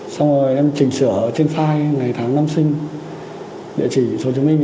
xong rồi em chỉnh sửa trên file ngày tháng năm sinh địa chỉ số chứng minh